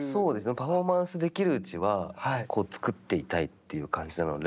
パフォーマンスできるうちは、作っていたいという感じなので。